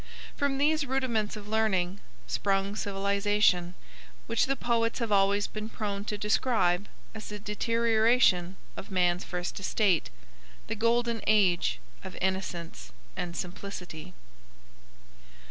From these rudiments of learning sprung civilization, which the poets have always been prone to describe as a deterioration of man's first estate, the Golden Age of innocence and simplicity.